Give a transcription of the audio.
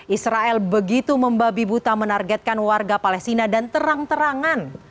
israel begitu membabi buta menargetkan warga palestina dan terang terangan